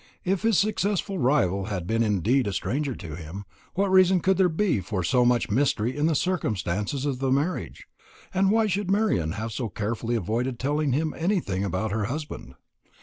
If his successful rival had been indeed a stranger to him, what reason could there be for so much mystery in the circumstances of the marriage? and why should Marian have so carefully avoided telling him anything about her husband?